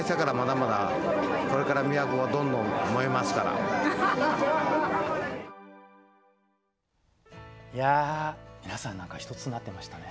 感無量やけどのいや皆さん何か一つになってましたね。